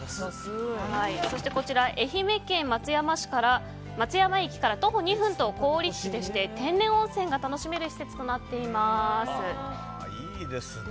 こちら、愛媛県松山駅から徒歩２分と好立地でして、天然温泉が楽しめる施設となっています。